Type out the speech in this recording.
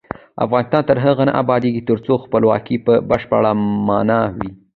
افغانستان تر هغو نه ابادیږي، ترڅو خپلواکي په بشپړه مانا وي.